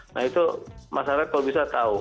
nah itu masyarakat kalau bisa tahu